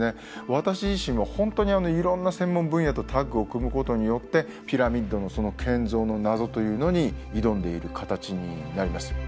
私自身も本当にいろんな専門分野とタッグを組むことによってピラミッドの建造の謎というのに挑んでいる形になります。